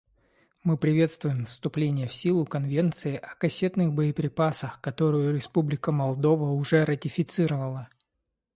Мы приветствуем вступление в силу Конвенции о кассетных боеприпасах, которую Республика Молдова уже ратифицировала.